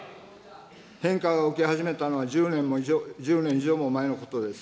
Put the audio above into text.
変化が起き始めたのは１０年以上も前のことです。